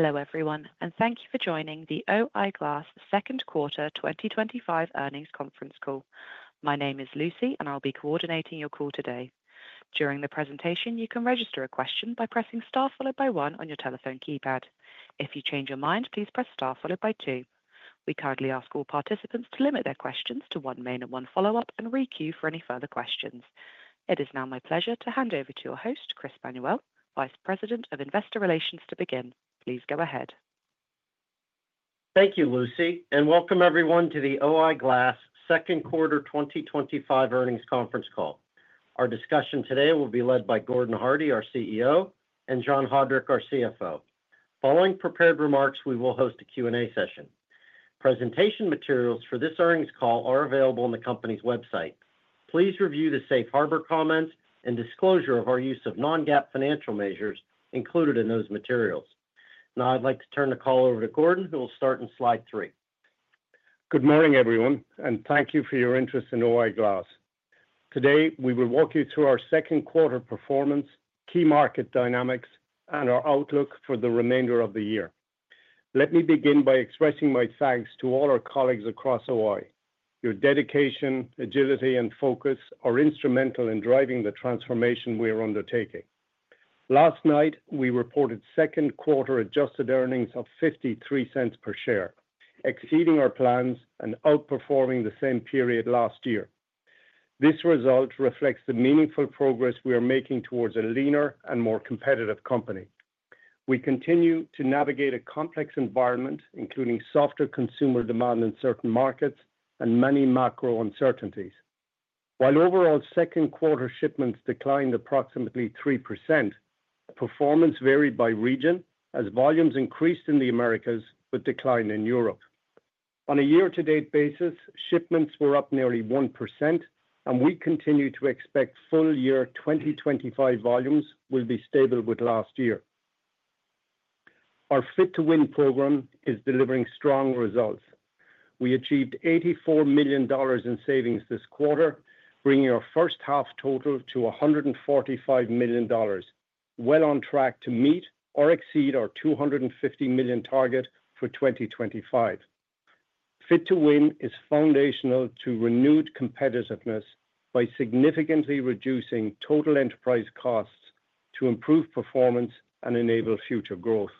Hello everyone, and thank you for joining the O-I Glass Second Quarter 2025 Earnings Conference Call. My name is Lucy, and I'll be coordinating your call today. During the presentation, you can register a question by pressing Star followed by one on your telephone keypad. If you change your mind, please press star followed by two. We kindly ask all participants to limit their questions to one main and one follow-up and requeue for any further questions. It is now my pleasure to hand over to your host, Chris Manuel, Vice President of Investor Relations, to begin. Please go ahead. Thank you, Lucy, and welcome everyone to the O-I Glass Second Quarter 2025 Earnings Conference Call. Our discussion today will be led by Gordon Hardie, our CEO, and John Haudrich, our CFO. Following prepared remarks, we will host a Q&A session. Presentation materials for this earnings call are available on the company's website. Please review the safe harbor comments and disclosure of our use of non-GAAP financial measures included in those materials. Now I'd like to turn the call over to Gordon, who will start in slide three. Good morning, everyone, and thank you for your interest in O-I Glass. Today we will walk you through our second quarter performance, key market dynamics, and our outlook for the remainder of the year. Let me begin by expressing my thanks to all our colleagues across O-I. Your dedication, agility, and focus are instrumental in driving the transformation we are undertaking. Last night we reported second quarter adjusted earnings of $0.53 per share, exceeding our plans and outperforming the same period last year. This result reflects the meaningful progress we are making towards a leaner and more competitive company. We continue to navigate a complex environment, including softer consumer demand in certain markets and many macro uncertainties. While overall second quarter shipments declined approximately 3%, performance varied by region as volumes increased in the Americas with decline in Europe. On a year-to-date basis, shipments were up nearly 1%, and we continue to expect full year 2025 volumes will be stable with last year. Our Fit to Win program is delivering strong results. We achieved $84 million in savings this quarter, bringing our first half total to $145 million, well on track to meet or exceed our $250 million target for 2025. Fit to Win is foundational to renewed competitiveness by significantly reducing total enterprise costs to improve performance and enable future growth.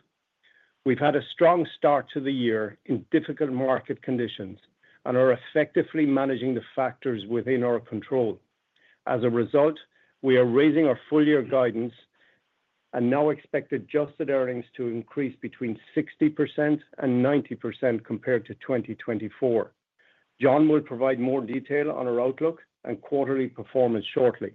We've had a strong start to the year in difficult market conditions and are effectively managing the factors within our control. As a result, we are raising our full year guidance and now expect adjusted earnings to increase between 60% and 90% compared to 2024. John will provide more detail on our outlook and quarterly performance shortly.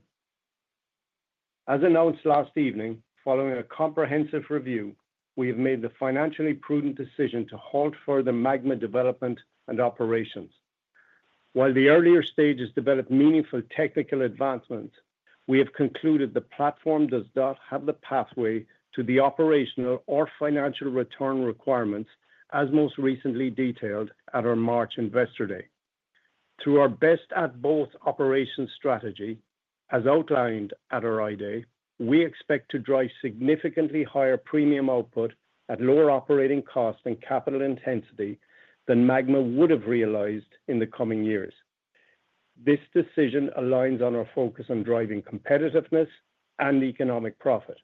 As announced last evening, following a comprehensive review, we have made the financially prudent decision to halt further MAGMA development and operations. While the earlier stages developed meaningful technical advancements, we have concluded the platform does not have the pathway to the operational or financial return requirements as most recently detailed at our March Investor Day. Through our "Best at Both" operations strategy as outlined at our I Day, we expect to drive significantly higher premium output at lower operating cost and capital intensity than MAGMA would have realized in the coming years. This decision aligns on our focus on driving competitiveness and economic profit.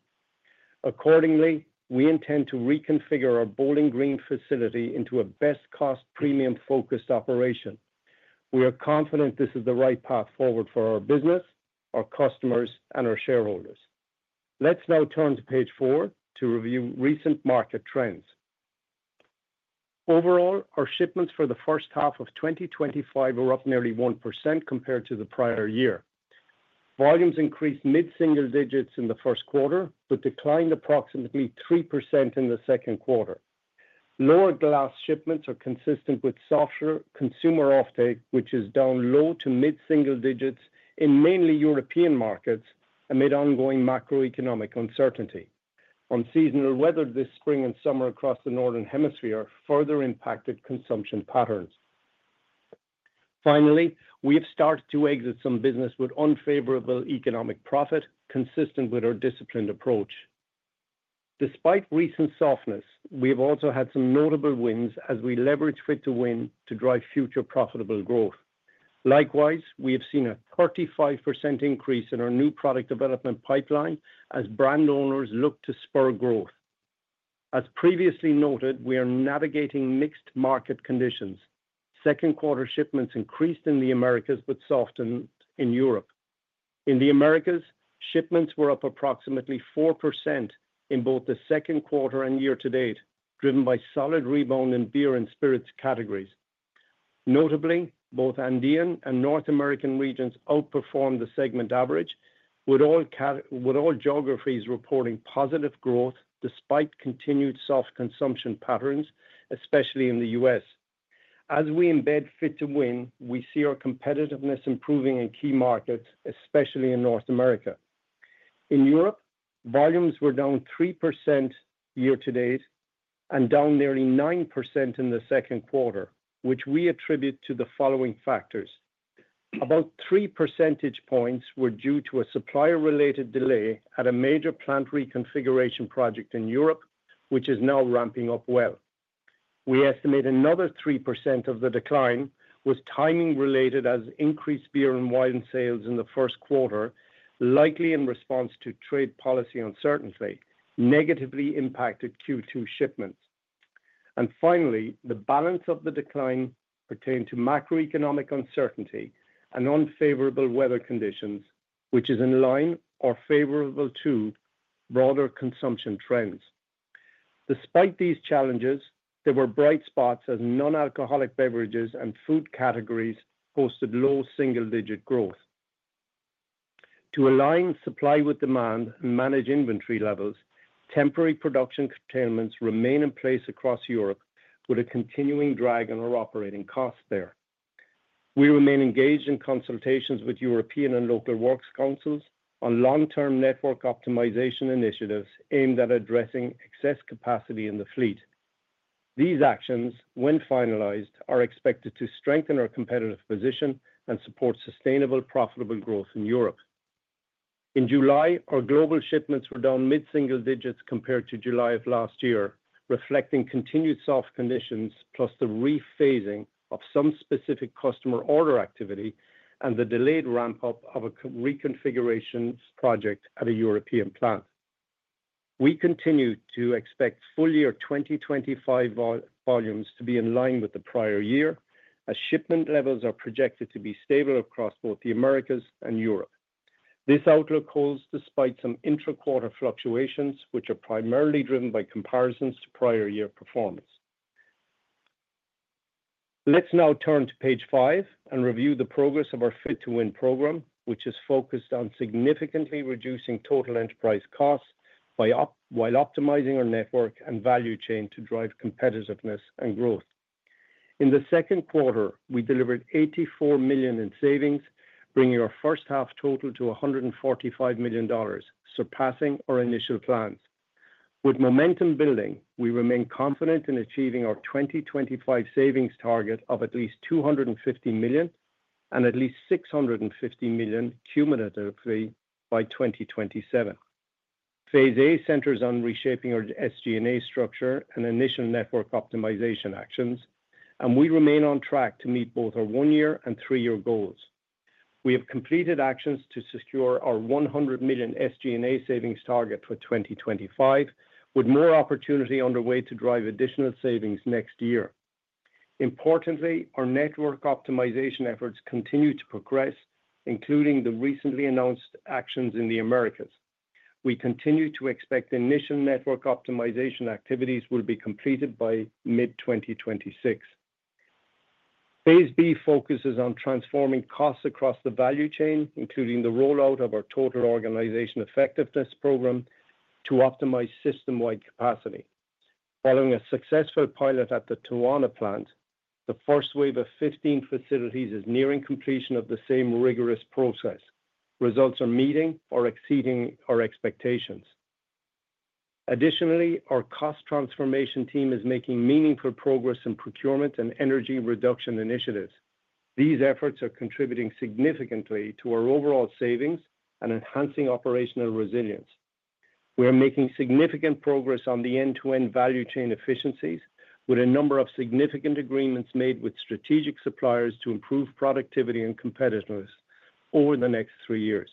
Accordingly, we intend to reconfigure our Bowling Green facility into a best cost premium focused operation. We are confident this is the right path forward for our business, our customers, and our shareholders. Let's now turn to page four to review recent market trends. Overall, our shipments for the first half of 2025 were up nearly 1% compared to the prior year. Volumes increased mid-single-digits in the first quarter but declined approximately 3% in the second quarter. Lower glass shipments are consistent with softer consumer offtake, which is down low-to mid single digits in mainly European markets. Amid ongoing macroeconomic uncertainty, unseasonal weather this spring and summer across the Northern Hemisphere further impacted consumption patterns. Finally, we have started to exit some business with unfavorable economic profit consistent with our disciplined approach. Despite recent softness, we have also had some notable wins as we leverage Fit to Win to drive future profitable growth. Likewise, we have seen a 35% increase in our new product development pipeline as brand owners look to spur growth. As previously noted, we are navigating mixed market conditions. Second quarter shipments increased in the Americas but softened in Europe. In the Americas, shipments were up approximately 4% in both the second quarter and year-to-date, driven by solid rebound in beer and spirits categories. Notably, both Andean and North American regions outperformed the segment average, with all geographies reporting positive growth despite continued soft consumption patterns, especially in the U.S. As we embed Fit to Win, we see our competitiveness improving in key markets, especially in North America. In Europe, volumes were down 3% year-to-date and down nearly 9% in the second quarter, which we attribute to the following factors. About 3 percentage points were due to a supplier-related delay at a major plant reconfiguration project in Europe, which is now ramping up. We estimate another 3% of the decline was timing-related as increased beer and wine sales in the first quarter, likely in response to trade policy uncertainty, negatively impacted Q2 shipments. Finally, the balance of the decline pertained to macroeconomic uncertainty and unfavorable weather conditions, which is in line or favorable to broader consumption trends. Despite these challenges, there were bright spots as non-alcoholic beverages and food categories posted low-single-digit growth. To align supply with demand and manage inventory levels, temporary production curtailments remain in place across Europe with a continuing drag on our operating costs there. We remain engaged in consultations with European and local works councils on long-term network optimization initiatives aimed at addressing excess capacity in the fleet. These actions, when finalized, are expected to strengthen our competitive position and support sustainable, profitable growth in Europe. In July, our global shipments were down mid-single-digits compared to July of last year, reflecting continued soft conditions, plus the rephasing of some specific customer order activity and the delayed ramp-up of a reconfiguration project at a European plant. We continue to expect full year 2025 volumes to be in line with the prior year, as shipment levels are projected to be stable across both the Americas and Europe. This outlook holds despite some intra-quarter fluctuations, which are primarily driven by comparisons to prior year performance. Let's now turn to page five and review the progress of our Fit to Win program, which is focused on significantly reducing total enterprise costs while optimizing our network and value chain to drive competitiveness and growth. In the second quarter, we delivered $84 million in savings, bringing our first half total to $145 million, surpassing our initial plans. With momentum building, we remain confident in achieving our 2025 savings target of at least $250 million and at least $650 million cumulatively by 2027. Phase A centers on reshaping our SG&A structure and initial network optimization actions, and we remain on track to meet both our one-year and three-year goals. We have completed actions to secure our $100 million SG&A savings target for 2025, with more opportunity underway to drive additional savings next year. Importantly, our network optimization efforts continue to progress, including the recently announced actions in the Americas. We continue to expect initial network optimization activities will be completed by mid-2026. Phase B focuses on transforming costs across the value chain, including the rollout of our Total Organization Effectiveness program to optimize system-wide capacity. Following a successful pilot at the Tijuana plant, the first wave of 15 facilities is nearing completion of the same rigorous process. Results are meeting or exceeding our expectations. Additionally, our cost transformation team is making meaningful progress in procurement and energy reduction initiatives. These efforts are contributing significantly to our overall savings and enhancing operational resilience. We are making significant progress on the end-to-end value chain efficiencies, with a number of significant agreements made with strategic suppliers to improve productivity and competitiveness over the next three years.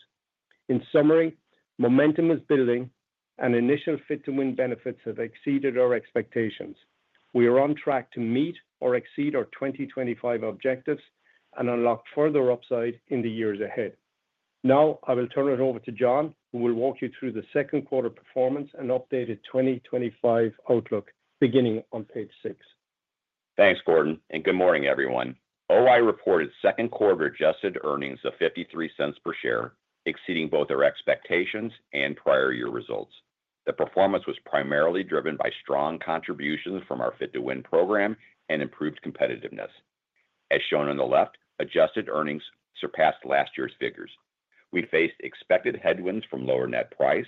In summary, momentum is building and initial Fit to Win benefits have exceeded our expectations. We are on track to meet or exceed our 2025 objectives and unlock further upside in the years ahead. Now I will turn it over to John who will walk you through the second quarter performance and updated 2025 outlook, beginning on page six. Thanks Gordon and good morning everyone. O-I Glass reported second quarter adjusted earnings of $0.53 per share, exceeding both our expectations and prior year results. The performance was primarily driven by strong contributions from our Fit to Win program and improved competitiveness. As shown on the left, adjusted earnings surpassed last year's figures. We faced expected headwinds from lower net price,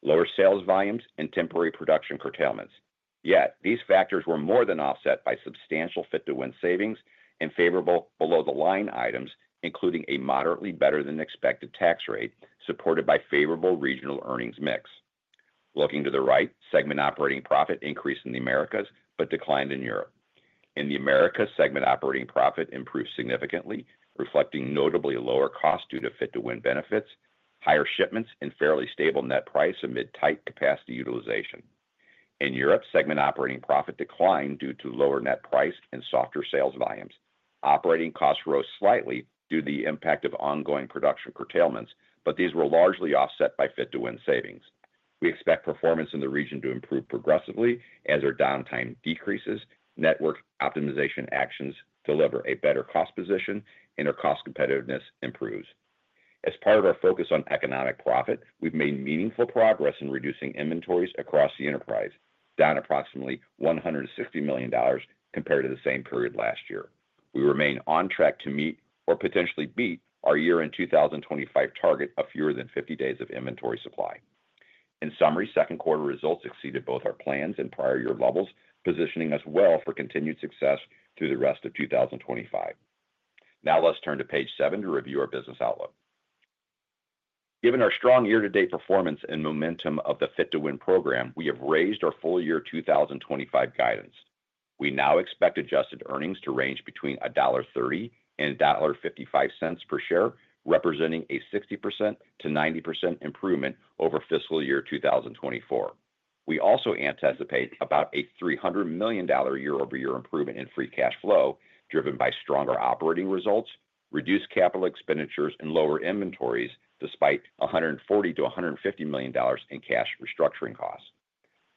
lower sales volumes, and temporary production curtailments. Yet these factors were more than offset by substantial Fit to Win savings and favorable below-the-line items, including a moderately better-than-expected tax rate supported by favorable regional earnings mix. Looking to the right, segment operating profit increased in the Americas but declined in Europe. In the Americas, segment operating profit improved significantly, reflecting notably lower cost due to Fit to Win benefits, higher shipments, and fairly stable net price amid tight capacity utilization. In Europe, segment operating profit declined due to lower net price and softer sales volumes. Operating costs rose slightly due to the impact of ongoing production curtailments, but these were largely offset by Fit to Win savings. We expect performance in the region to improve progressively as our downtime decreases, network optimization actions deliver a better cost position, and our cost competitiveness improves. As part of our focus on economic profit, we've made meaningful progress in reducing inventories across the enterprise, down approximately $160 million compared to the same period last year. We remain on track to meet or potentially beat our year-end 2025 target of fewer than 50 days of inventory supply. In summary, second quarter results exceeded both our plans and prior year levels, positioning us well for continued success through the rest of 2025. Now let's turn to page seven to review our business outlook. Given our strong year-to-date performance and momentum of the Fit to Win program, we have raised our full year 2025 guidance. We now expect adjusted earnings to range between $1.30 and $1.55 per share, representing a 60% to 90% improvement over fiscal year 2024. We also anticipate about a $300 million year-over-year improvement in free cash flow driven by stronger operating results, reduced capital expenditures, and lower inventories, despite $140 to $150 million in cash restructuring costs.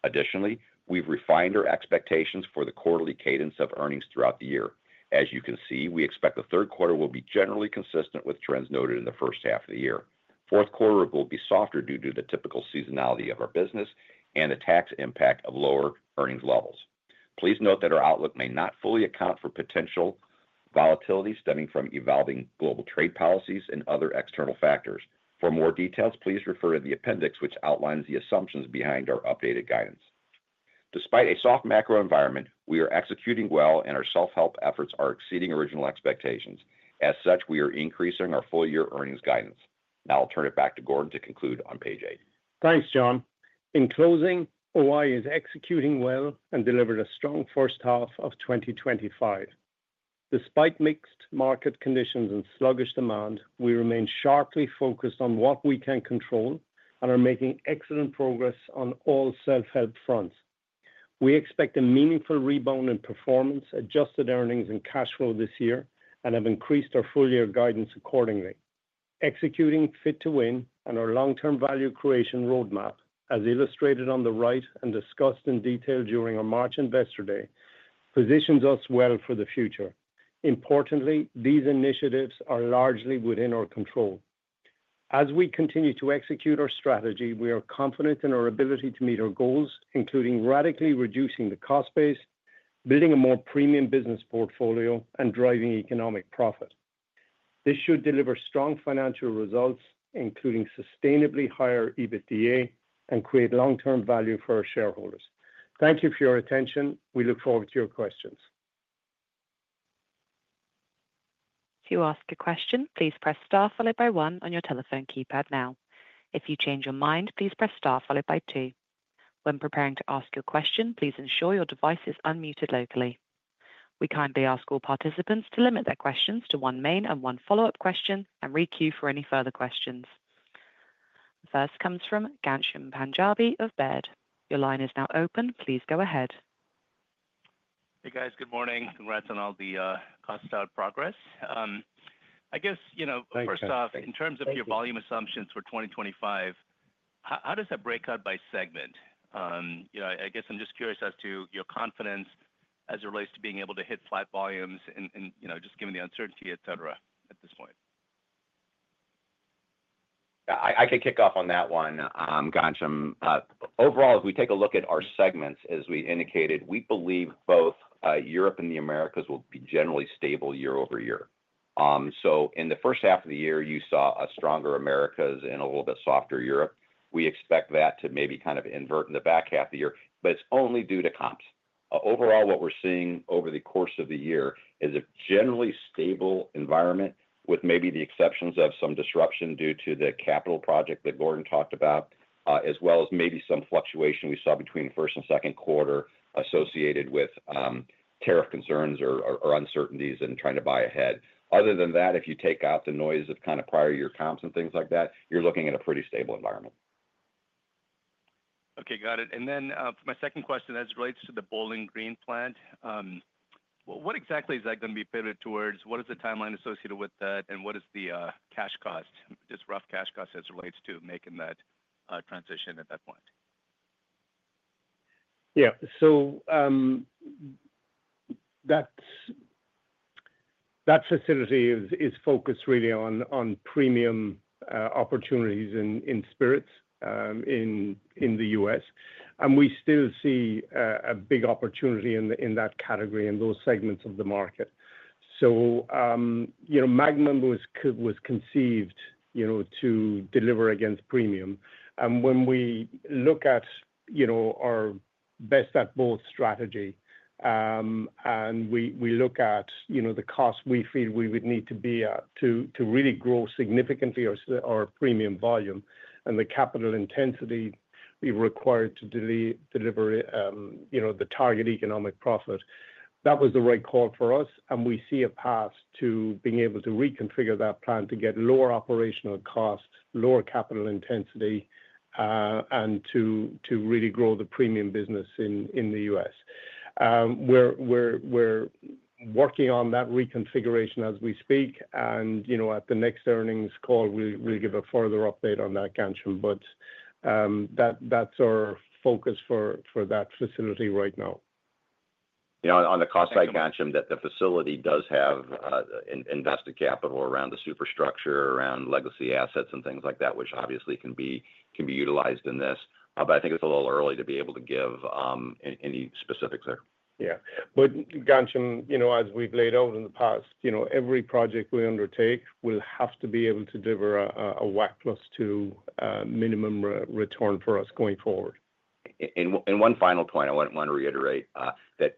Additionally, we've refined our expectations for the quarterly cadence of earnings throughout the year. As you can see, we expect the third quarter will be generally consistent with trends noted in the first half of the year. The fourth quarter will be softer due to the typical seasonality of our business and the tax impact of lower earnings levels. Please note that our outlook may not fully account for potential volatility stemming from evolving global trade policies and other external factors. For more details, please refer to the Appendix, which outlines the assumptions behind our updated guidance. Despite a soft macro environment, we are executing well and our self-help efforts are exceeding original expectations. As such, we are increasing our full year earnings guidance. Now I'll turn it back to Gordon to conclude on page eight. Thanks John. In closing, O-I is executing well and delivered a strong first half of 2025 despite mixed market conditions and sluggish demand. We remain sharply focused on what we can control and are making excellent progress on all self-help fronts. We expect a meaningful rebound in performance, adjusted earnings, and cash flow this year and have increased our full year guidance accordingly. Executing Fit to Win and our long-term value creation roadmap, as illustrated on the right and discussed in detail during our March Investor Day, positions us well for the future. Importantly, these initiatives are largely within our control as we continue to execute our strategy. We are confident in our ability to meet our goals, including radically reducing the cost base, building a more premium business portfolio, and driving economic profit. This should deliver strong financial results, including sustainably higher EBITDA, and create long-term value for our shareholders. Thank you for your attention. We look forward to your questions. To ask a question, please press star followed by one on your telephone keypad. If you change your mind, please press star followed by two. When preparing to ask your question, please ensure your device is unmuted locally. We kindly ask all participants to limit their questions to one main and one follow up question and requeue for any further questions. First comes from Ghansham Panjabi of Baird. Your line is now open. Please go ahead. Hey guys, good morning. Congrats on all the cost out progress. I guess, you know, first off, in terms of your volume assumptions for 2025, how does that break out by segment? I'm just curious as to your confidence as it relates to being able to hit flat volumes, and just given the uncertainty at this point. I could. kick off on that one, Ghansham. Overall, if we take a look at our segments as we indicated, we believe both Europe and the Americas will be generally stable year-over-year. In the first half of the year, you saw a stronger Americas and a little bit softer Europe. We expect that to maybe kind of invert in the back half of the year, but it's only due to comps. Overall, what we're seeing over the course of the year is a generally stable environment with maybe the exceptions of some disruption due to the capital project that Gordon talked about, as well as maybe some fluctuation we saw between the first and second quarter associated with tariff concerns or uncertainties and trying to buy ahead. Other than that, if you take out the noise of kind of prior year comps and things like that, you're looking at a pretty stable environment. Okay, got it. My second question, as it relates to the Bowling Green plant, what exactly is that going to be pivoted towards? What is the timeline associated with that, and what is the cash cost? Just rough cash cost as it relates to making that transition at that point. Yeah, so. That facility is focused, really, on premium opportunities in spirits in the U.S., we still see a big opportunity in that category in those segments of the market. MAGMA was conceived to deliver against premium. When we look at our "Best at Both" strategy and we look at the cost we feel we would need to be to really grow significantly our premium volume and the capital intensity we required to deliver the target economic profit. That was the right call for us. We see a path to being able to reconfigure that plant to get lower operational cost, lower capital intensity, and to really grow the premium business in the U.S. We're working on that reconfiguration as we speak. At the next earnings call we'll give a further update on that. That's our focus for that facility right now On the cost side, Ghansham, the facility does have invested capital around the superstructure, around legacy assets and things like that, which obviously can be utilized in this. I think it's a little early to be able to give any specifics there. Yeah, as we've laid out in the past, every project we undertake will have to be able to deliver a WACC + 2% minimum return for us going forward. One final point, I want to reiterate that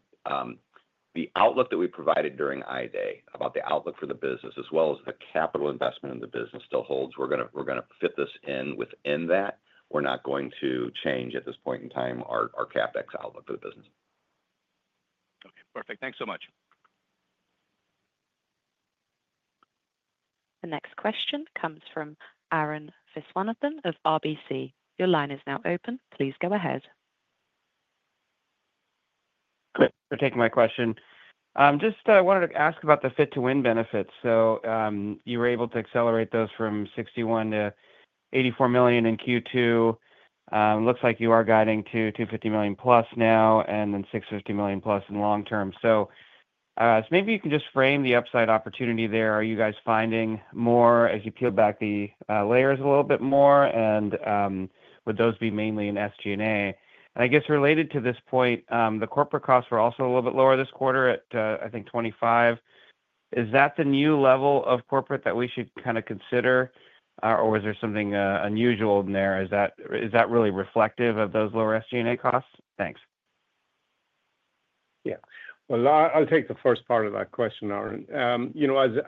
the outlook that we provided during I Day about the outlook for the business as well as the capital investment in the business still holds. We're going to fit this in within that. We're not going to change at this point in time our CapEx outlook for the business. Okay, perfect. Thanks so much. The next question comes from Arun Viswanathan of RBC. Your line is now open. Please go ahead. Great for taking my question. Just wanted to ask about the Fit to Win benefits. You were able to accelerate those from $61 million-$84 million in Q2. Looks like you are guiding to $250 million+ now and then $650 million+ in long-term. Maybe you can just frame the upside opportunity there. Are you guys finding more as you peel back the layers a little bit more? Would those be mainly in SG&A? Related to this point, the corporate costs were also a little bit lower this quarter at, I think, $25 million. Is that the new level of corporate that we should kind of consider or was there something unusual in there? Is that really reflective of those lower SG&A costs? Thanks. Yeah, I'll take the first part of that question, Arun.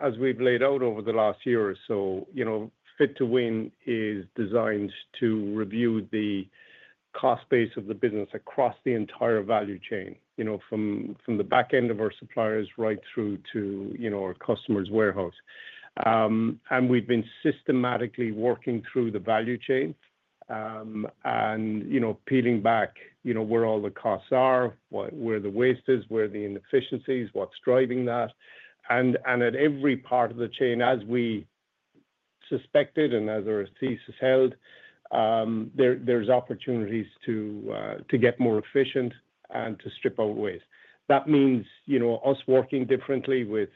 As we've laid out over the last year or so, Fit to Win is designed to review the cost base of the business across the entire value chain, from the back end of our suppliers right through to our customers' warehouse. We've been systematically working through the value chain and peeling back where all the costs are, where the waste is, where the inefficiencies are, what's driving that. At every part of the chain, as we suspected and as our thesis held, there's opportunities to get more efficient and to strip out waste. That means us working differently with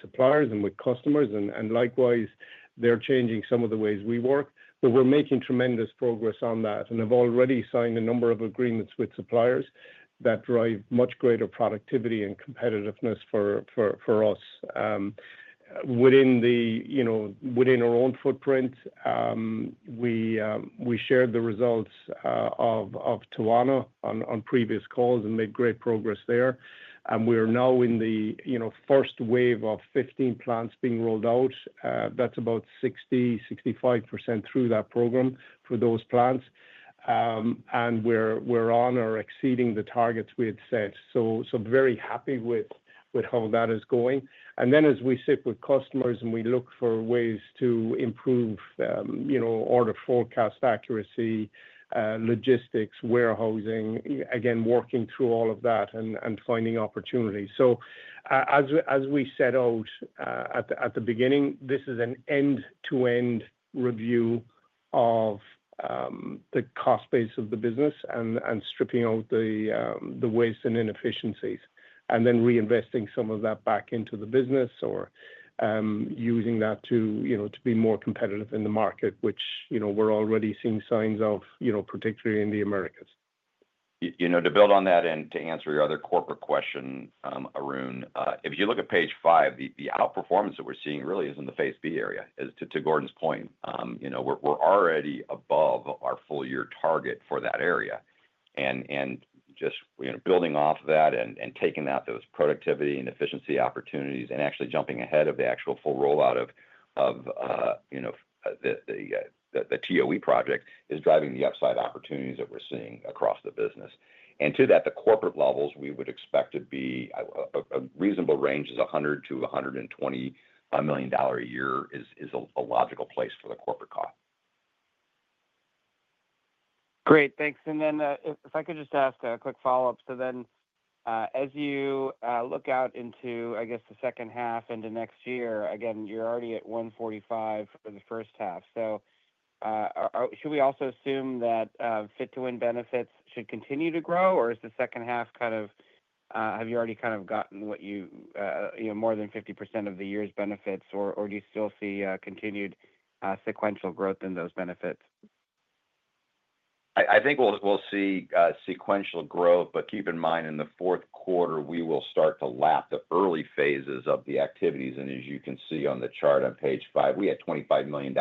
suppliers and with customers, and likewise they're changing some of the ways we work. We're making tremendous progress on that and have already signed a number of agreements with suppliers that drive much greater productivity and competitiveness for us within our own footprint. We shared the results of Tijuana on previous calls and made great progress there. We are now in the first wave of 15 plants being rolled out. That's about 60%-65% through that program for those plants, and we're on or exceeding the targets we had set. Very happy with how that is going. As we sit with customers and we look for ways to improve order, forecast accuracy, logistics, warehousing, working through all of that and finding opportunities. As we set out at the beginning, this is an end-to-end review of the cost base of the business, stripping out the waste and inefficiencies and then reinvesting some of that back into the business or using that to be more competitive in the market, which we're already seeing signs of, particularly in the Americas. To build on that, and to answer your other corporate question, Arun, if you look at page five, the outperformance that we're seeing really is in the Phase B area. To Gordon's point, we're already above our full year target for that area. Just building off of that and taking out those productivity and efficiency opportunities and actually jumping ahead of the actual full rollout of the TOE project is driving the upside opportunities that we're seeing across the business. At the corporate levels, we would expect to be a reasonable range of $100 to $120 million a year is a logical place for the corporate cost. Great, thanks. If I could just ask a quick follow-up. As you look out into, I guess, the second half into next year, you're already at $145 million for the first half. Should we also assume that Fit to Win benefits should continue to grow, or is the second half kind of, have you already gotten more than 50% of the year's benefits, or do you still see continued sequential growth in those benefits? I think we'll see sequential growth. Keep in mind, in the fourth quarter, we will start to lap the early phases of the activities. As you can see on the chart on Page five, we had $25 million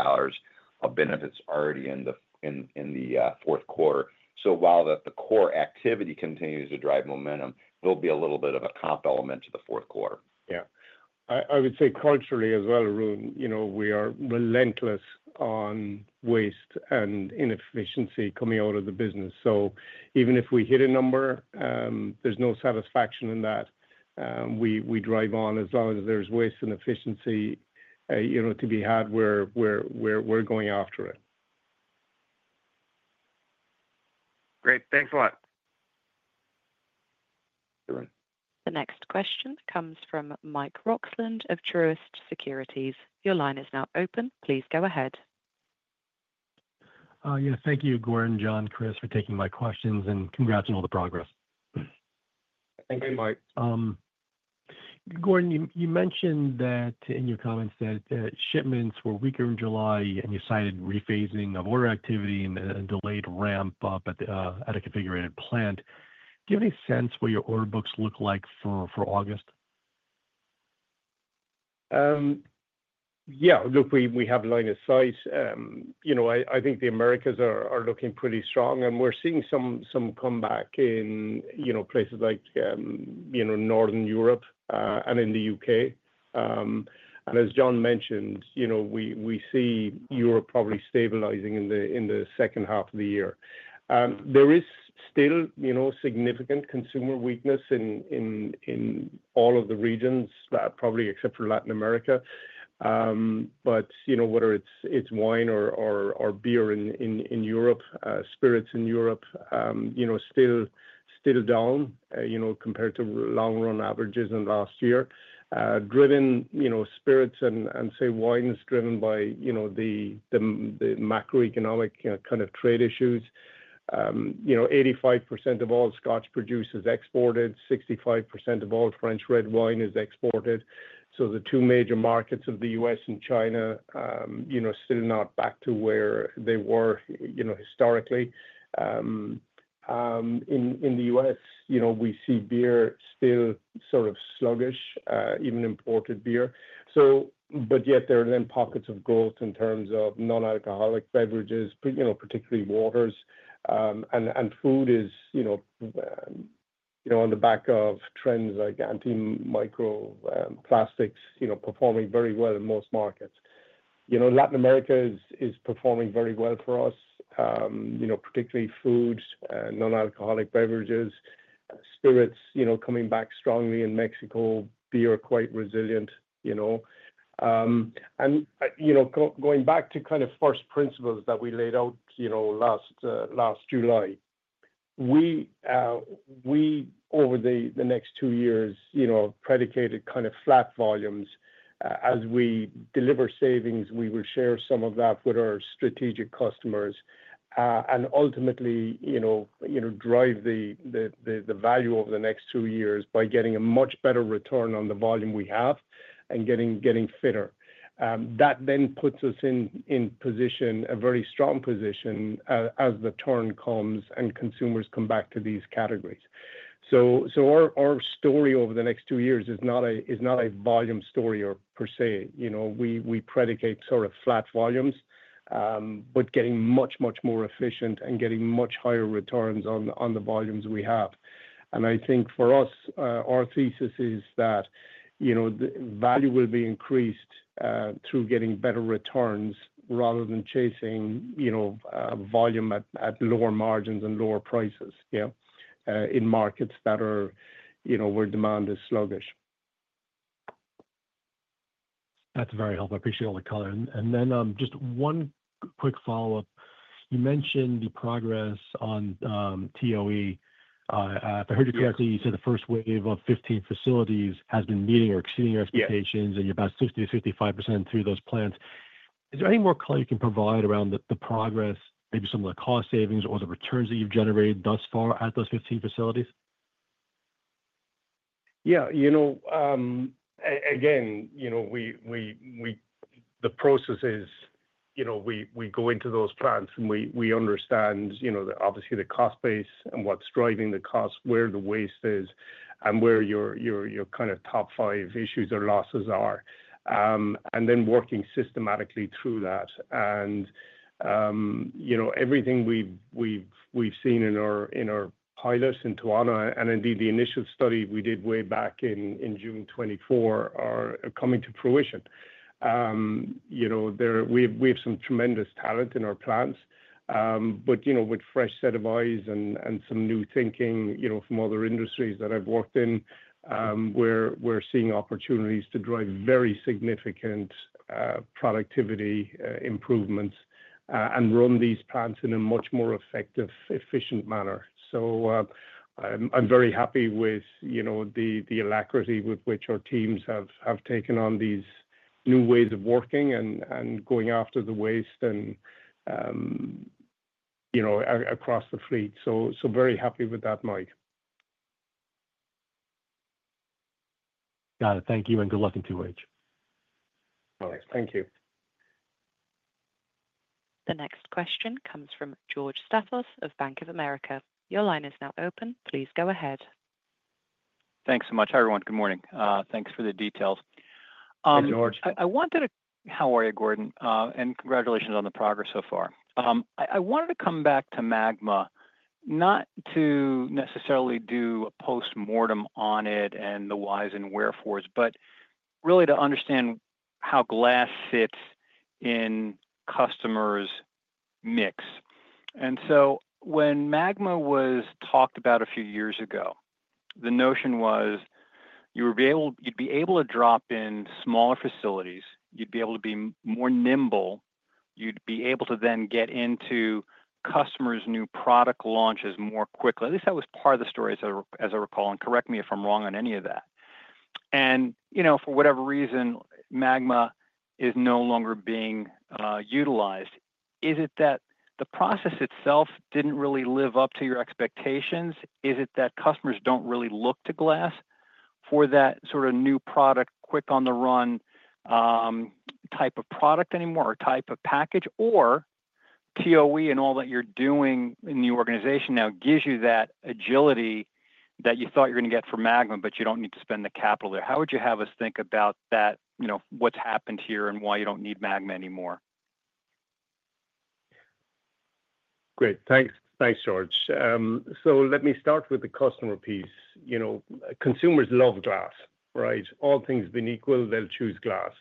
of benefits already in the fourth quarter. While the core activity continues to drive momentum, there'll be a little bit of a comp element to the fourth quarter. Yeah, I would say culturally as well, Arun. You know, we are relentless on waste and inefficiency coming out of the business. Even if we hit a number, there's no satisfaction in that. We drive on as long as there's waste and efficiency, you know, to be had, we're going after it. Great, thanks a lot. The next question comes from Mike Roxland of Truist Securities. Your line is now open. Please go ahead. Yeah, thank you, Gordon, John, Chris, for taking my questions. Congratulations on all the progress. Thank you, Mike. Gordon, you mentioned that in your comments that shipments were weaker in July and you cited rephasing of order activity and delayed ramp-up at a reconfigured plant. Do you have any sense where your order books look like for August? Yeah, look, we have line-of-sight. I think the Americas are looking pretty strong and we're seeing some comeback in places like Northern Europe and in the U.K., and as John mentioned, we see Europe probably stabilizing in the second half of the year. There is still significant consumer weakness in all of the regions, probably except for Latin America. Whether it's wine or beer in Europe, spirits in Europe, still down compared to long-run averages in last year. Spirits and, say, wines driven by the macroeconomic kind of trade issues. You know, 85% of all Scotch produced is exported, 65% of all French red wine is exported. The two major markets of the U.S. and China are still not back to where they were historically. In the U.S., we see beer still sort of sluggish, even imported beer. So. There are then pockets of growth in terms of non-alcoholic beverages, particularly waters. Food is, on the back of trends like anti-micro plastics, performing very well in most markets. Latin America is performing very well for us, particularly food, non-alcoholic beverages, spirits coming back strongly in Mexico, beer quite resilient, and going back to kind of first principles that we laid out last July. We, over the next two years, predicated kind of flat volumes. As we deliver savings, we will share some of that with our strategic customers and ultimately drive the value over the next two years by getting a much better return on the volume we have and getting fitter. That then puts us in a very strong position as the turn comes and consumers come back to these categories. Our story over the next two years is not a volume story per se. We predicate sort of flat volumes, getting much, much more efficient and getting much higher returns on the volumes we have. I think for us, our thesis is that value will be increased through getting better returns rather than chasing volume at lower margins and lower prices in markets where demand is sluggish. That's very helpful. I appreciate all the color. Just one quick follow up. You mentioned the progress on TOE, if I heard you correctly, you said the first wave of 15 facilities has been meeting or exceeding your expectations, and you're about 50%-55% through those plants. Is there any more color you can provide around the progress? Maybe some of the cost savings or the returns that you've generated thus far at those 15 facilities? Yeah, you know, again, we go into those plants and we understand, obviously, the cost base and what's driving the cost, where the waste is, and where your kind of top five issues or losses are, and then working systematically through that. Everything we've seen in our pilot in Tijuana and indeed the initial study we did way back in June 2024 are coming to fruition. We have some tremendous talent in our plants, but with a fresh set of eyes and some new thinking from other industries that I've worked in, we're seeing opportunities to drive very significant productivity improvements and run these plants in a much more effective, efficient manner. I'm very happy with the alacrity with which our teams have taken on these new ways of working and going after the waste and you know, across the fleet. Very happy with that. Mike. Got it. Thank you and good luck in 2H. All right, thank you. The next question comes from George Staphos of Bank of America. Your line is now open. Please go ahead. Thanks so much. Hi everyone. Good morning. Thanks for the details. I wanted. How are you, Gordon? Congratulations on the progress so far. I wanted to come back to MAGMA, not to necessarily do a post-mortem on it and the whys and wherefores, but really to understand how glass sits in customers' mix. When MAGMA was talked about a few years ago, the notion was you'd be able to drop in smaller facilities, you'd be able to be more nimble, you'd be able to then get into customers' new product launches more quickly. At least that was part of the story, as I recall. Correct me if I'm wrong on any of that. For whatever reason, MAGMA is no longer being utilized. Is it that the process itself didn't really live up to your expectations? Is it that customers don't really look to glass for that sort of new-product, quick-on-the run type of product anymore, or type of package? Or TOE and all that you're doing in the organization now gives you that agility that you thought you were going to get from MAGMA, but you don't need to spend the capital there. How would you have us think about that? What's happened here and why you don't need MAGMA anymore? Great, thanks. Thanks, George. Let me start with the customer piece. You know, consumers love glass, right? All things being equal, they'll choose glass.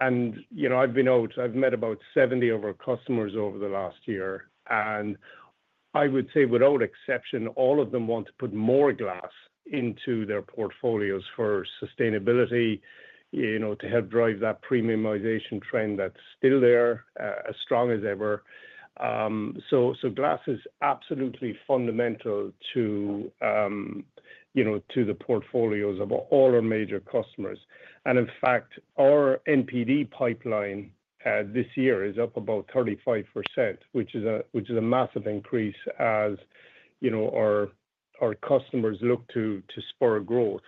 I've been out, I've met about 70 of our customers over the last year and I would say, without exception, all of them want to put more glass into their portfolios for sustainability, you know, to help drive that premiumization trend that's still there, as strong as ever. Glass is absolutely fundamental to, you know, to the portfolios of all our major customers. In fact, our NPD pipeline this year is up about 35%, which is a massive increase. As you know, our customers look to spur growth.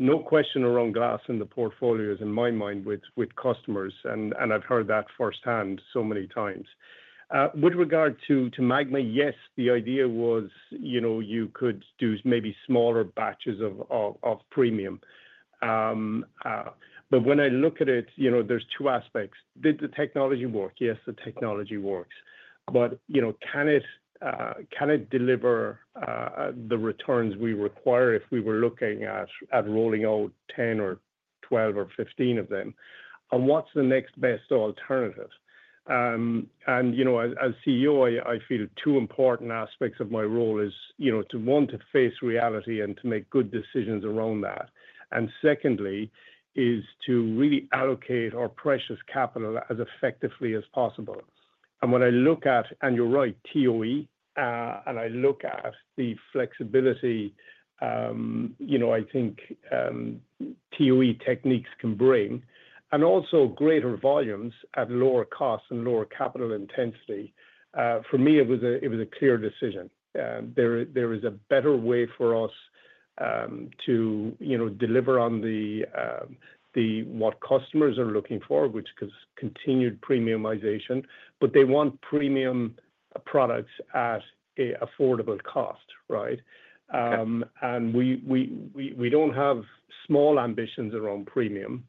No question around glass in the portfolios, in my mind, with customers, and I've heard that firsthand so many times. With regard to MAGMA, yes, the idea was, you know, you could do maybe smaller batches of premium, but when I look at it, you know, there's two aspects. Did the technology work? Yes, the technology works, but, you know, can it deliver the returns we require? If we were looking at rolling out 10 or 12 or 15 of them. What is the next best alternative? As CEO, I feel two important aspects of my role are to face reality and to make good decisions around that. Secondly, it is to really allocate our precious capital as effectively as possible. When I look at, and you're right, and I look at the flexibility, I think the techniques can bring greater volumes at lower costs and lower capital intensity. For me, it was a clear decision. There is a better way for us to deliver on what customers are looking for, which is continued premiumization. They want premium products at affordable cost, right. We don't have small ambitions around premium.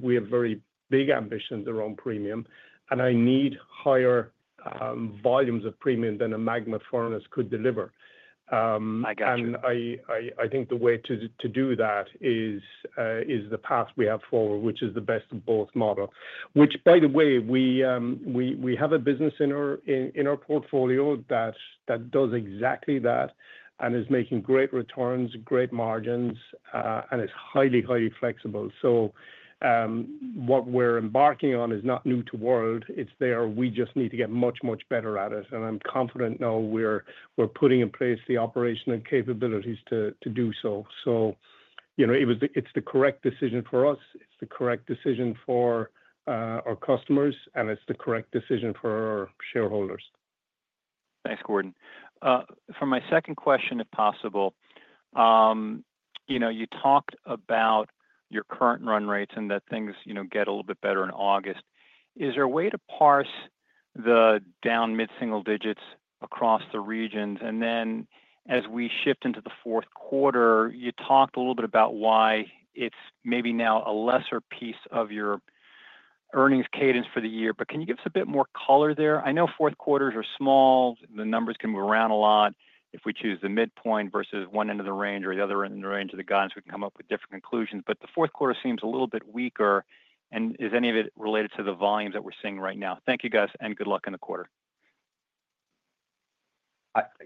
We have very big ambitions around premium. I need higher volumes of premium than a MAGMA furnace could deliver. I think the way to do that is the path we have forward, which is the "Best at Both" model, which, by the way, we have a business in our portfolio that does exactly that and is making great returns, great margins, and is highly, highly flexible. What we're embarking on is not new to the world. It's there. We just need to get much, much better at it. I'm confident we're putting in place the operation and capabilities to do so. It is the correct decision for us, it's the correct decision for our customers, and it's the correct decision for our shareholders. Thanks, Gordon, for my second question, if possible. You talked about your current run rates and that things, you know, get a little bit better in August. Is there a way to parse the down mid-single-digits across the regions? As we shift into the fourth quarter, you talked a little bit about why it's maybe now a lesser piece of your earnings cadence for the year, but can you give us a bit more color there? I know fourth quarters are small. The numbers can move around a lot if we choose the midpoint versus one end of the range or the other end of the range of the guidance. We can come up with different conclusions. The fourth quarter seems a little bit weaker. Is any of it related to the volumes that we're seeing right now? Thank you guys and good luck in the quarter.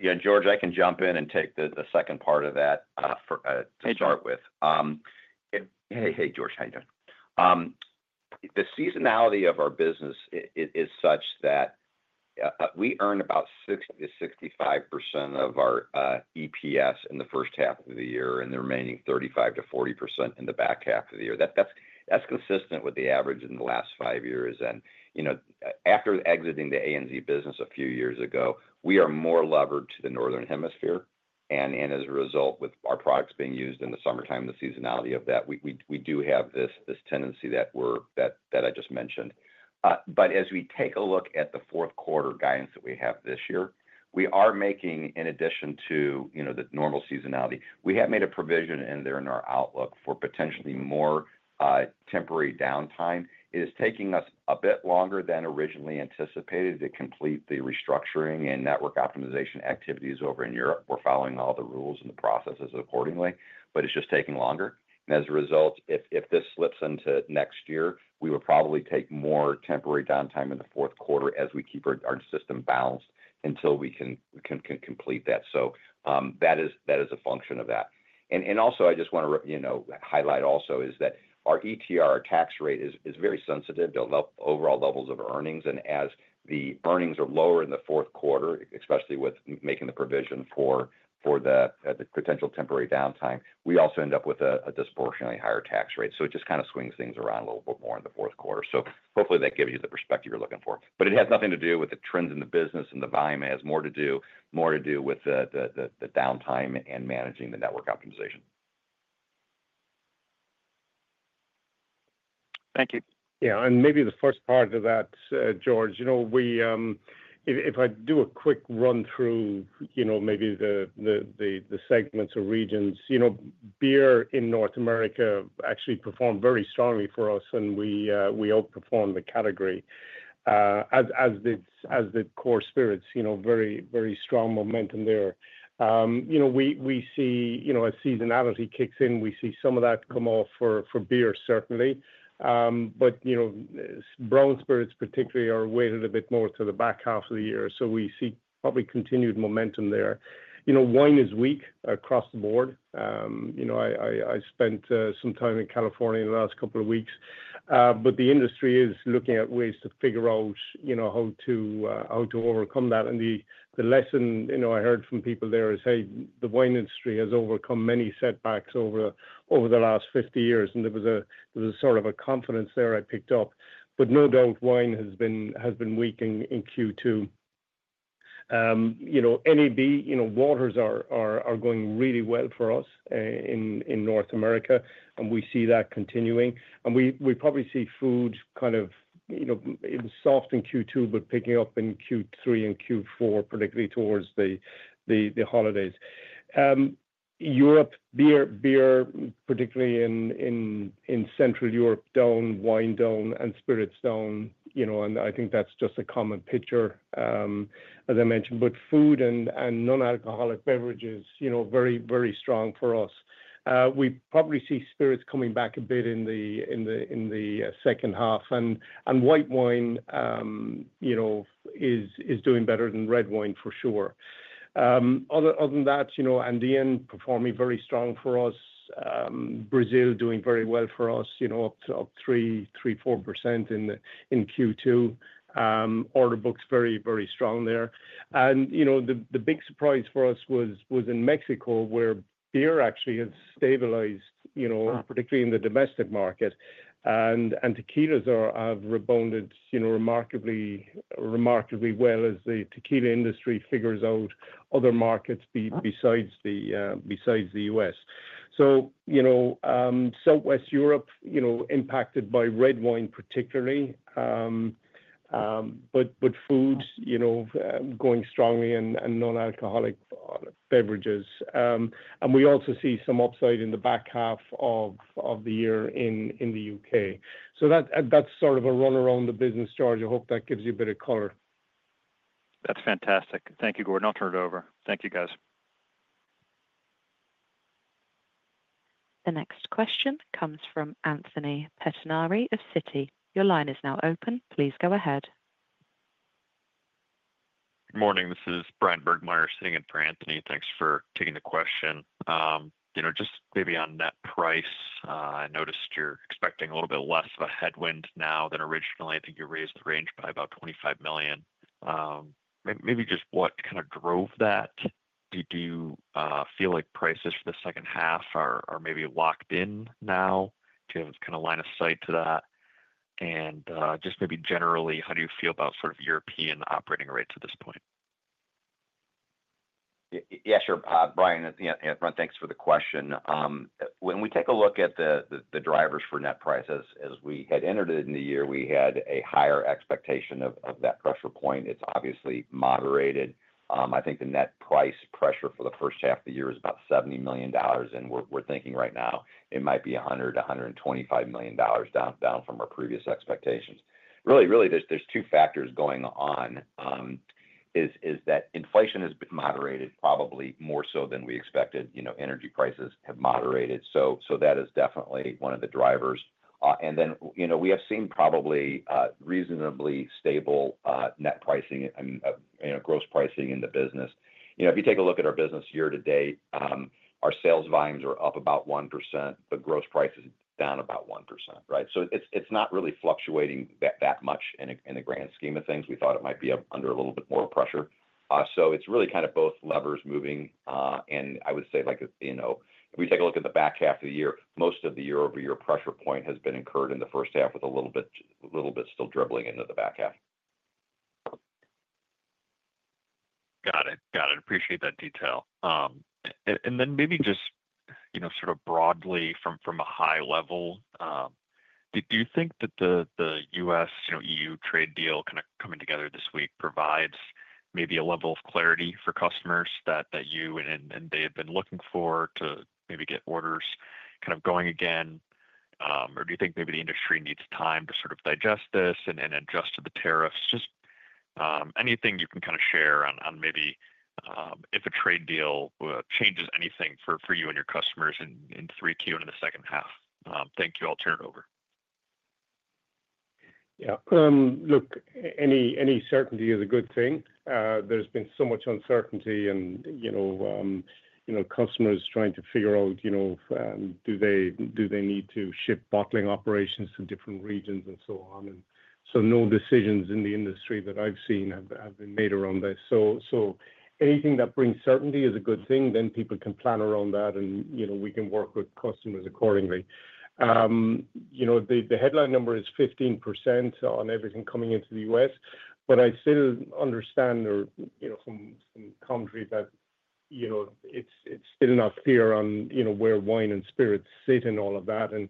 Yeah, George, I can jump in and take the second part of that to start with. Hey. Hey, George. How are you doing? The seasonality of our business is such that we earn about 60%-65% of our EPS in the first half of the year and the remaining 35%-40% in the back half of the year. That's consistent with the average in the last five years. You know, after exiting the ANZ business a few years ago, we are more levered to the Northern Hemisphere. As a result, with our products being used in the summertime, the seasonality of that, we do have this tendency that I just mentioned. As we take a look at the fourth quarter guidance that we have this year, in addition to the normal seasonality, we have made a provision in our outlook for potentially more temporary downtime. It is taking us a bit longer than originally anticipated to complete the restructuring and network optimization activities over in Europe. We're following all the rules and the processes accordingly, but it's just taking longer. As a result, if this slips into next year, we will probably take more temporary downtime in the fourth quarter as we keep our system balanced until we can complete that. That is a function of that. I just want to highlight also that our ETR tax rate is very sensitive to overall levels of earnings. As the earnings are lower in the fourth quarter, especially with making the provision for the potential temporary downtime, we also end up with a disproportionately higher tax rate. It just kind of swings things around a little bit more in the fourth quarter. Hopefully that gives you the perspective you're looking for. It has nothing to do with the trends in the business and the volume has more to do, more to do with the downtime and managing the network optimization. Thank you. Yeah. Maybe the first part of that, George, you know, if I do a quick run-through, maybe the segments or regions Beer in North America actually performed very strongly for us. We outperformed the category as the core spirits. Very, very strong momentum there. We see, as seasonality kicks in, we see that come off for beer certainly. Brown spirits particularly are weighted a bit more to the back half of the year. We see probably continued momentum there. Wine is weak across the board. I spent some time in California in the last couple of weeks, but the industry is looking at ways to figure out how to overcome that. The lesson I heard from people there is, hey, the wine industry has overcome many setbacks over the last 50 years and there was sort of a confidence there I picked up. No doubt wine has been weakening in Q2. NAB/waters are going really well for us in North America and we see that continuing. We probably see food kind of soft in Q2, but picking up in Q3 and Q4, particularly towards the holidays. Europe, beer particularly in Central Europe, down, wine down and spirits down, and I think that's just a common picture, as I mentioned, but food and non-alcoholic beverages, very, very strong for us. We probably see spirits coming back a bit in the second half. White wine is doing better than red wine for sure. Other than that, Andean performing very strong for Brazil, doing very well for us, up 3%, 4% in Q2 order books. Very, very strong there. The big surprise for us was in Mexico where beer actually has stabilized, particularly in the domestic market and tequilas are rebounded, remarkably, remarkably well as the tequila industry figures out other markets besides the U.S. Southwest Europe, impacted by red wine. particularly. Food, you know, going strongly and non-alcoholic beverages. We also see some upside in the back half of the year in the U.K., so that's sort of a run-around the business, George. I hope that gives you a bit of color. That's fantastic. Thank you, Gordon. I'll turn it over. Thank you, guys. The next question comes from Anthony Pettinari of Citigroup. Your line is now open. Please go ahead. Good morning, this is Bryan Burgmeier sitting in for Anthony. Thanks for taking the question. Just maybe on net price, I noticed you're expecting a little bit less of a headwind now than originally. I think you raised the range by about $25 million maybe. What kind of drove that? Do you feel like prices for the second half are maybe locked in now? Do you have kind of line-of-sight to that and just maybe generally, how do you feel about sort of European operating rates at this point? Yeah, sure. Bryan, thanks for the question. When we take a look at the drivers for net prices, as we had entered in the year, we had a higher expectation of that pressure point. It's obviously moderated. I think the net price pressure for the first half of the year is about $70 million, and we're thinking right now it might be $100 million-$125 million down from our previous expectations. There are two factors going on: inflation has moderated, probably more so than we expected. Energy prices have moderated. That is definitely one of the drivers. We have seen probably reasonably stable net pricing, gross pricing in the business. If you take a look at our business year-to-date, our sales volumes are up about 1%. The gross price is down about 1%. It's not really fluctuating that much in the grand scheme of things. We thought it might be under a little bit more pressure. It's really kind of both levers moving. I would say, if we take a look at the back half of the year, most of the year-over-year pressure point has been incurred in the first half with a little bit still dribbling into the back half. Got it, got it. Appreciate that detail. Maybe just sort of broadly from a high-level, do you think that the U.S.-E.U. trade deal coming together this week provides maybe a level of clarity for customers that you and they have been looking for to maybe get orders going again? Or do you think maybe the industry needs time to sort of digest this and adjust to the tariffs? Anything you can share on maybe if a trade deal changes anything for you and your customers in 3Q and in the second half? Thank you. I'll turn it over. Yeah. Look, any certainty is a good thing. There's been so much uncertainty and customers trying to figure out, you know, do they need to ship bottling operations to different regions and so on. No decisions in the industry that I've seen have been made around this. Anything that brings certainty is a good thing, then people can plan around that and we can work with customers accordingly. The headline number is 15% on everything coming into the U.S., but I still understand or, you know, from country that it's still not clear on where wine and spirits sit and all of that and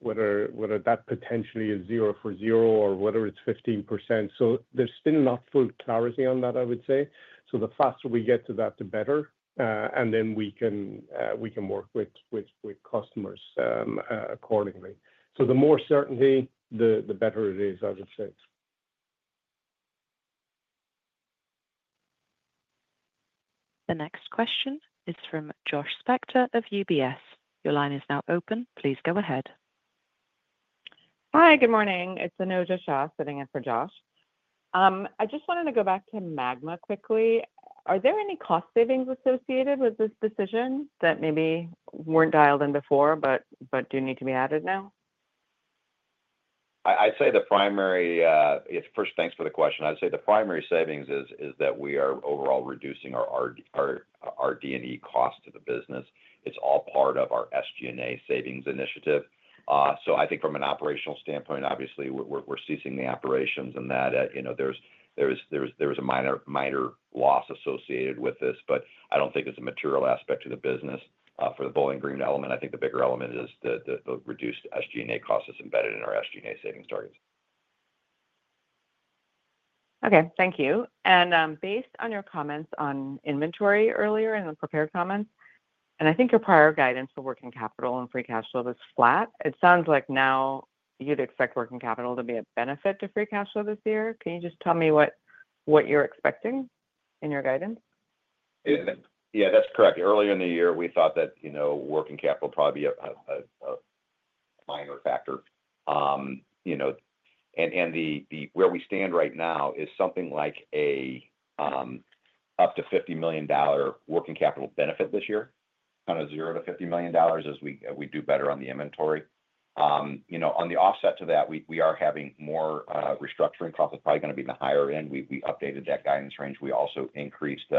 whether that potentially is zero-for-zero or whether it's 15%. There's still not full clarity on that, I would say. The faster we get to that, the better and then we can work with customers accordingly. The more certainty, the better it is, I would say. The next question is from Josh Spector of UBS. Your line is now open. Please go ahead. Hi, good morning. It's Anojja Shah sitting in for Josh. I just wanted to go back to MAGMA quickly. Are there any cost savings associated with this decision that maybe weren't dialed in before but do need to be added now? I'd say the primary savings is that we are overall reducing our D&E cost to the business. It's all part of our SG&A savings initiative. I think from an operational standpoint, obviously we're ceasing the operations and that, you know, there's a minor loss associated with this. I don't think it's a material aspect of the business for the Bowling Green element. I think the bigger element is the reduced SG&A cost that's embedded in our SG&A savings targets. Thank you. Based on your comments on inventory earlier in the prepared comments, and I think your prior guidance for working capital and free cash flow was flat. It sounds like now you'd expect working capital to be a benefit to free cash flow this year. Can you just tell me what you're expecting in your guidance? Yeah, that's correct. Earlier in the year we thought that, you know, working capital, probably a minor factor, and where we stand right now is something like up to $50 million working capital benefit this year, kind of zero to $50 million as we do better on the inventory. On the offset to that, we are having more restructuring costs, probably going to be the higher end. We updated that guidance range. We also increased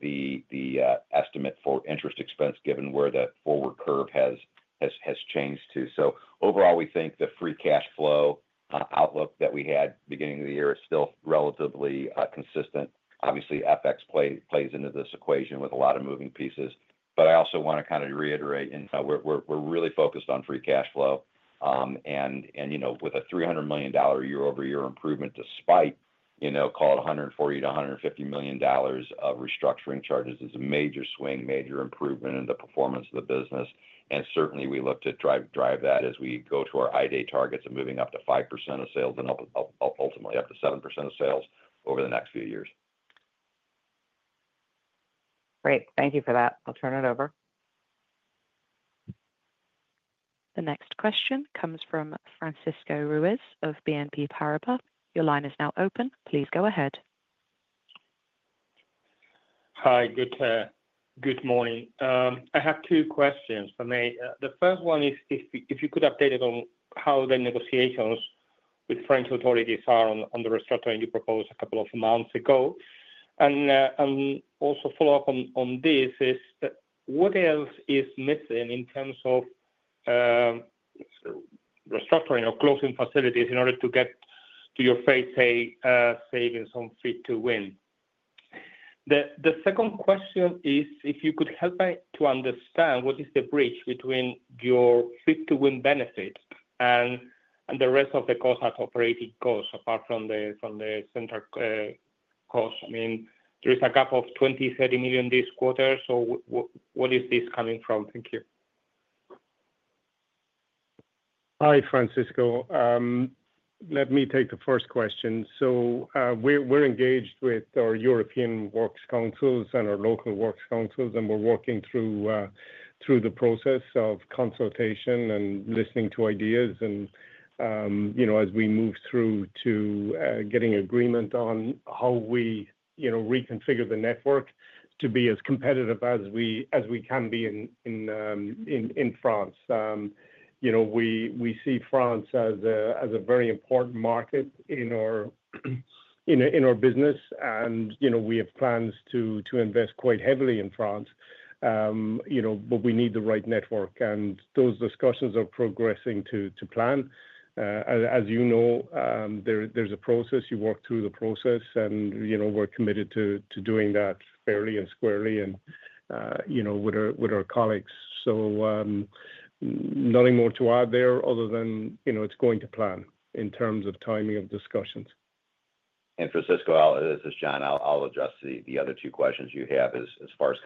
the estimate for interest expense given where the forward curve has changed to. Overall, we think the free cash flow outlook that we had at the beginning of the year is still relatively consistent. Obviously, FX plays into this equation with a lot of moving pieces. I also want to reiterate we're really focused on free cash flow, and with a $300 million year-over-year improvement despite, you know, call it $140-$150 million of restructuring charges, it is a major swing, major improvement in the performance of the business. Certainly, we look to drive that as we go to our I Day targets of moving up to 5% of sales and ultimately up to 7% of sales over the next few years. Great. Thank you for that. I'll turn it over. The next question comes from Francisco Ruiz of BNP Paribas. Your line is now open. Please go ahead. Hi, good morning. I have two questions. The first one is if you could update us on how the negotiations with French authorities are on the restructuring you proposed a couple of months ago, and also follow up on this, what else is missing in terms of restructuring or closing facilities in order to get to your faith savings on Fit to Win. The second question is if you could help me to understand what is the bridge between your Fit to Win benefit and the rest of the cost at operating cost, apart from the central cost, there is a gap of $20-$30 million this quarter. What is this coming from? Thank you. Hi, Francisco. Let me take the first question. We're engaged with our European Works Councils and our local Works Councils, and we're working through the process of consultation and listening to ideas as we move through to getting agreement on how we reconfigure the network to be as competitive as we can be in France. We see France as a very important market in our business, and we have plans to invest quite heavily in France, but we need the right network and those discussions are progressing to plan. As you know, there's a process, you work through the process, and we're committed to doing that fairly and squarely with our colleagues. Nothing more to add there other than it's going to plan in terms of timing of discussions. Francisco, this is John. I'll address the other two questions you have as far as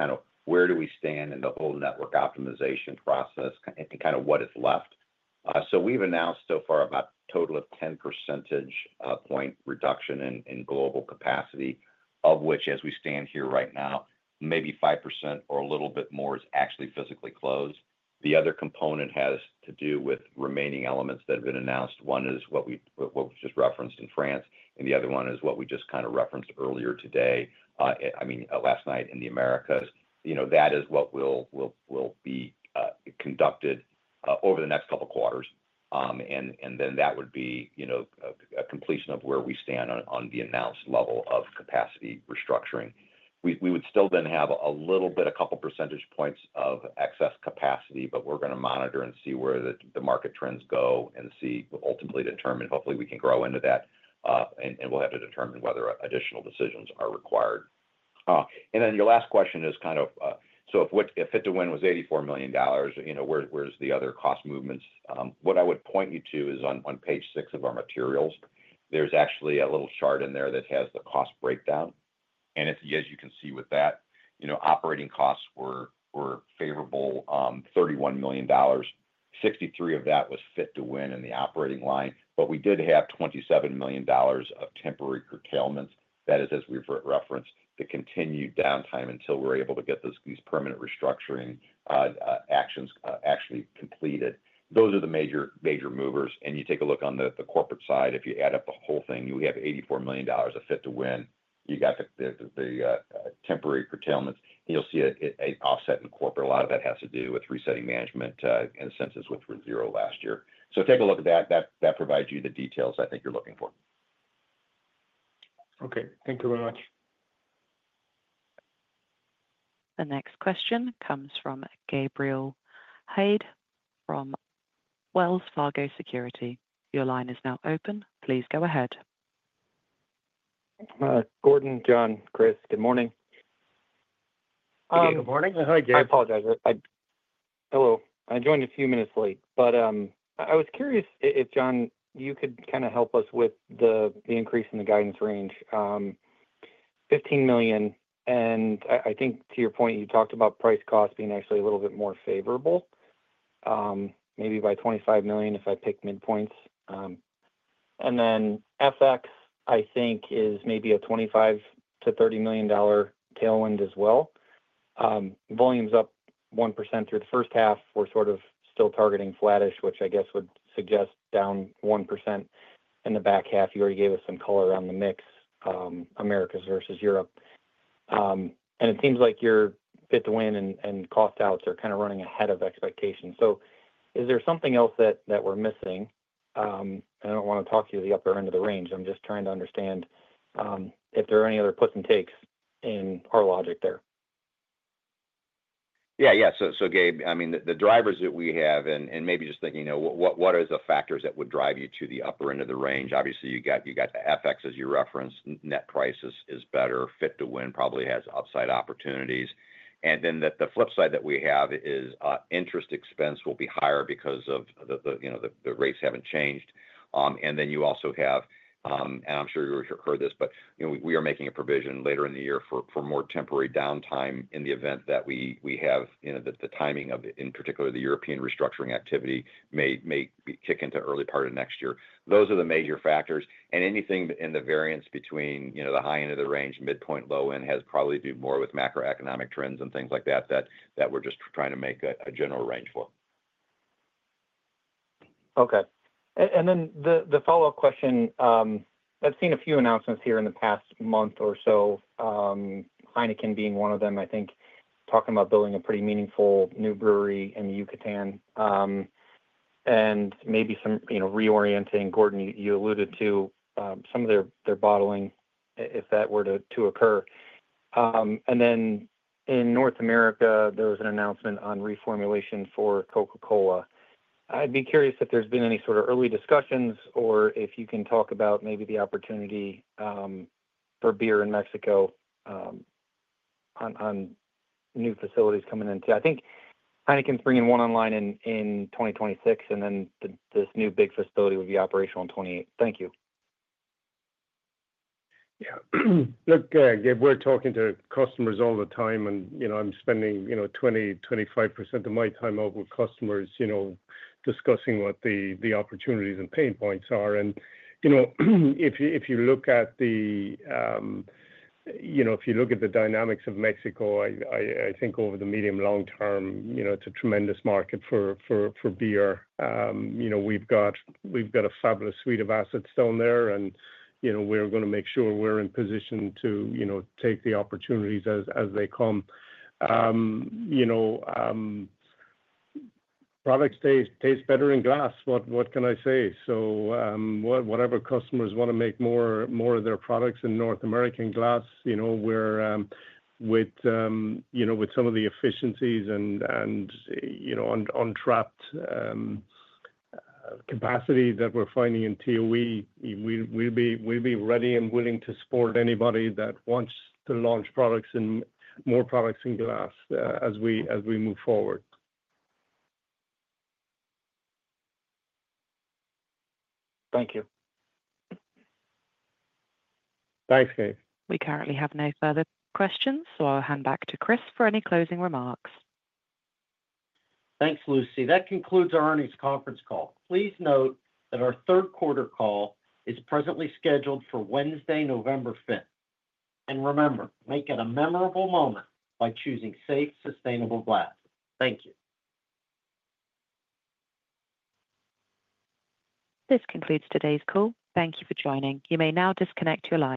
where do we stand in the whole network optimization process and what is left. We've announced so far about a total of 10 percentage point reduction in global capacity, of which as we stand here right now, maybe 5% or a little bit more is actually physically closed. The other component has to do with remaining elements that have been announced. One is what we just referenced in France and the other one is what we just referenced earlier today, I mean, last night in the Americas. That is what will be conducted over the next couple quarters and that would be completion of where we stand on the announced level of capacity restructuring. We would still then have a little bit, a couple percentage points of excess capacity. We're going to monitor and see where the market trends go and see ultimately determine, hopefully we can grow into that. We'll have to determine whether additional decisions are required. Your last question is kind of, if Fit to Win was $84 million, where's the other cost movements? What I would point you to is on page six of our materials. There's actually a little chart in there that has the cost breakdown. As you can see with that, operating costs were favorable, $31 million, $63 million of that was Fit to Win in the operating line. We did have $27 million of temporary curtailments. That is as we referenced the continued downtime until we're able to get these permanent restructuring actions actually completed. Those are the major movers. If you take a look on the corporate side, if you add up the whole thing, you have $84 million of Fit to Win. You got the temporary curtailments. You'll see an offset in corporate. A lot of that has to do with resetting management and census with zero last year. Take a look at that. That provides you the details I think you're looking for. Okay, thank you very much. The next question comes from Gabrial Hajde from Wells Fargo Securities. Your line is now open. Please go ahead. Gordon. John. Chris, good morning. Good morning. Hi, Jay. I apologize. Hello. I joined a few minutes late, but I was curious if, John, you could kind of help us with the increase in the guidance range, $15 million. I think to your point, you talked about price-cost being actually a little bit more favorable, maybe by $25 million if I pick midpoints. FX, I think, is maybe a $25 million-$30 million tailwind as well. Volumes up 1% through the first half. We're sort of still targeting flattish, which I guess would suggest down 1% in the back half. You already gave us some color on the mix, Americas versus Europe. It seems like your Fit to Win and cost-outs are kind of running ahead of expectations. Is there something else that we're missing? I don't want to talk to the upper end of the range. I'm just trying to understand if there are any other puts and takes in our logic there. Gabe, the drivers that we have and maybe just thinking what are the factors that would drive you to the upper end of the range? Obviously, you got the FX as you referenced, net prices is better, Fit to Win probably has upside opportunities. The flip side that we have is interest expense will be higher because the rates haven't changed. You also have, and I'm sure you heard this, but we are making a provision later in the year for more temporary downtime in the event that the timing of, in particular, the European restructuring activity may kick into early part of next year. Those are the major factors. Anything in the variance between the high end of the range, midpoint, low end has probably to do more with macroeconomic trends and things like that, that we're just trying to make a general range for. Okay. The follow-up question: I've seen a few announcements here in the past month or so, Heineken being one of them, I think talking about building a pretty meaningful new brewery in Yucatán and maybe some reorienting. Gordon, you alluded to some of their bottling if that were to occur. In North America there was an announcement on reformulation for Coca-Cola. I'd be curious if there's been any sort of early discussions or if you can talk about maybe the opportunity for beer in Mexico on new facilities coming in too. I think Heineken's bringing one online in 2026 and this new big facility would be operational in 2028. Thank you. Yeah, look, we're talking to customers all the time. I'm spending 20% to 25% of my time out with customers, discussing what the opportunities and pain points are. If you look at the dynamics of Mexico, I think over the medium-to-long-term, it's a tremendous market for beer. We've got a fabulous suite of assets down there, and we're going to make sure we're in position to take the opportunities as they come. Products taste better in glass. What can I say? Whatever customers want to make more of their products in North American glass, we're with some of the efficiencies and untrapped capacity that we're finding in TOE, we'll be ready and willing to support anybody that wants to launch products and more products in glass as we move forward. Thank you. Thanks, Keith. We currently have no further questions. I'll hand back to Chris for any closing remarks. Thanks, Lucy. That concludes our earnings conference call. Please note that our third quarter call is presently scheduled for Wednesday, November 5. Remember, make it a memorable moment by choosing safe, sustainable glass. Thank you. This concludes today's call. Thank you for joining. You may now disconnect your lines.